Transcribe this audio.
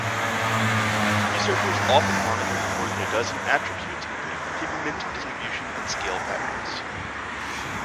Researchers often monitored more than a dozen attributes, including pigment distribution and scale patterns.